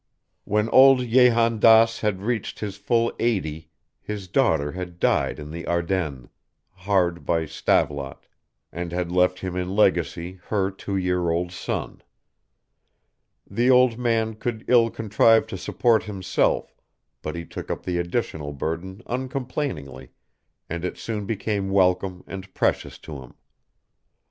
When old Jehan Daas had reached his full eighty, his daughter had died in the Ardennes, hard by Stavelot, and had left him in legacy her two year old son. The old man could ill contrive to support himself, but he took up the additional burden uncomplainingly, and it soon became welcome and precious to him.